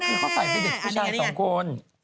เขาใส่ไปแบบนี้ไม่ใช่๒คน